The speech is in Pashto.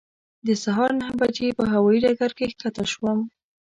د سهار نهه بجې په هوایي ډګر کې کښته شوم.